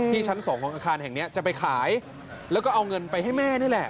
ชั้น๒ของอาคารแห่งนี้จะไปขายแล้วก็เอาเงินไปให้แม่นี่แหละ